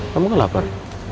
kamu gak lapar